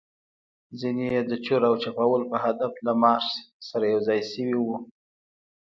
ځینې يې د چور او چپاول په هدف له مارش سره یوځای شوي وو.